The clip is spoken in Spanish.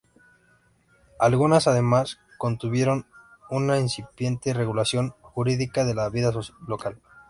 Algunas, además, contuvieron una incipiente regulación jurídica de la vida local.